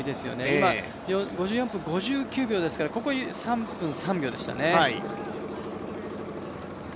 今、５４分５９秒ですからここ３分３秒でしたね。